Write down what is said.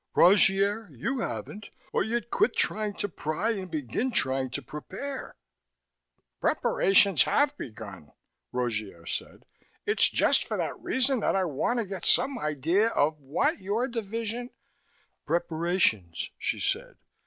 Rogier, you haven't, or you'd quit trying to pry and begin trying to prepare." "Preparations have begun," Rogier said. "It's just for that reason that I want to get some idea of what your division " "Preparations," she said.